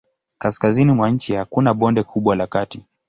Kaskazini mwa nchi hakuna bonde kubwa la kati.